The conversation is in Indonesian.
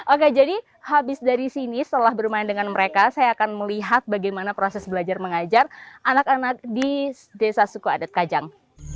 oke jadi habis dari sini setelah bermain dengan mereka saya akan melihat bagaimana proses belajar mengajar anak anak di desa suku adat kajang